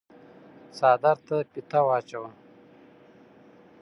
څادر ته فيته واچوه۔